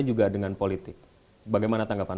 juga dengan politik bagaimana tanggapan